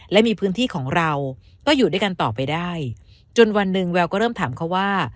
และมีพื้นที่ของเราก็อยู่ด้วยกันต่อไปได้จนวันหนึ่งแววก็เริ่มถามเขาว่า